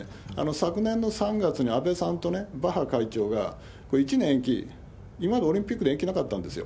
昨年の３月に、安倍さんとバッハ会長が、１年延期、今までオリンピックに延期なかったんですよ。